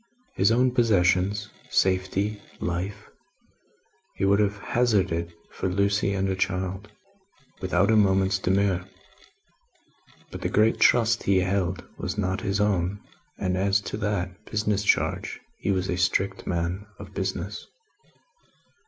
His own possessions, safety, life, he would have hazarded for Lucie and her child, without a moment's demur; but the great trust he held was not his own, and as to that business charge he was a strict man of business.